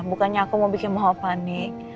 bukannya aku mau bikin mama panik